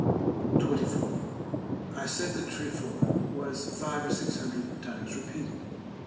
§ XXIV. I said the trefoil was five or six hundred times repeated.